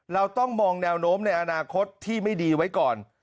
เราต้องมองแนวโน้มในอนาคตที่ไม่ดีไว้ก่อน